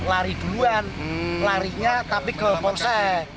lari duluan larinya tapi ke polsek